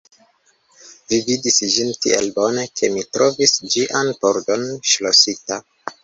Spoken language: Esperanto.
Mi vidis ĝin tiel bone, ke mi trovis ĝian pordon ŝlosita.